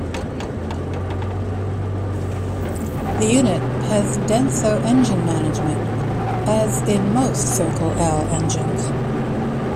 The unit has Denso engine management, as in most Circle L engines.